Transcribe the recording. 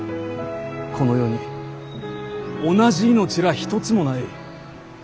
この世に同じ命らあ一つもない。